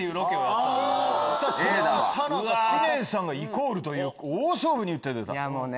そんな中知念さんがイコール大勝負に打って出た。